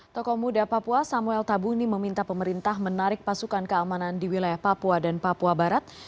tokoh muda papua samuel tabuni meminta pemerintah menarik pasukan keamanan di wilayah papua dan papua barat